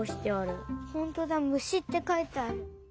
ほんとだ「むし」ってかいてある。